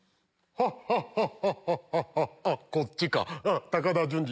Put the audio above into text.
ハッハッハッハッハ。